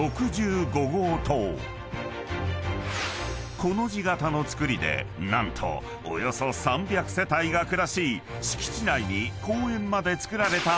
［コの字形の造りで何とおよそ３００世帯が暮らし敷地内に公園まで造られたマンモスアパートだが］